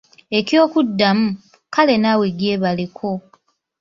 Eky'okuddamu “kale naawe gyebaleko”.